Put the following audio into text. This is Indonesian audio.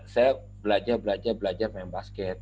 saya belajar belajar belajar main basket